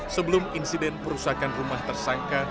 sebelum insiden perusahaan rumah tersangka